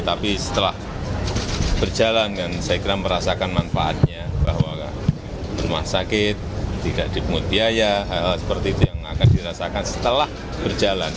tapi setelah berjalan kan saya kira merasakan manfaatnya bahwa rumah sakit tidak dipungut biaya hal hal seperti itu yang akan dirasakan setelah berjalan